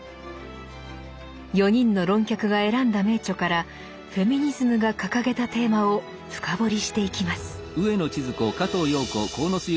４人の論客が選んだ名著からフェミニズムが掲げたテーマを深掘りしていきます。